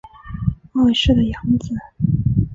二世的养子。